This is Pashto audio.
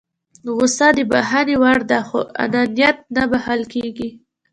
غوسه د بښنې وړ ده خو انانيت نه بښل کېږي.